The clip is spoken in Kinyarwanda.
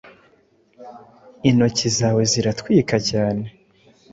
Intoki zawe ziratwika cyane